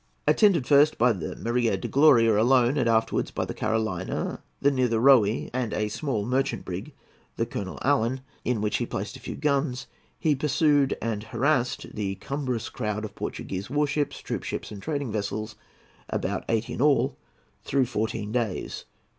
Attended first by the Maria de Gloria alone, and afterwards by the Carolina, the Nitherohy, and a small merchant brig, the Colonel Allen, in which he had placed a few guns, he pursued and harassed the cumbrous crowd of Portuguese warships, troop ships, and trading vessels, about eighty in all, through fourteen days.